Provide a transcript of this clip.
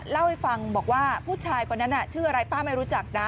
เล่าให้ฟังบอกว่าผู้ชายคนนั้นชื่ออะไรป้าไม่รู้จักนะ